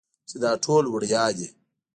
چې دا ټول وړيا دي.